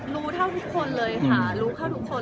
รู้เท่าทุกคนเลยค่ะรู้เท่าทุกคน